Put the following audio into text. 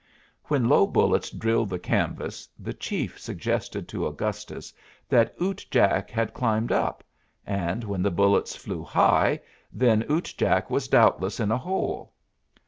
When low bullets drilled the canvas, the chief suggested to Augustus that Ute Jack had climbed up; and when the bullets flew high, then Ute Jack was doubtless in a hole.